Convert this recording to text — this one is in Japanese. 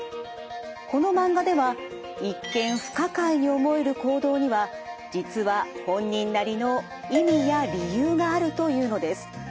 このマンガでは一見不可解に思える行動には実は本人なりの意味や理由があるというのです。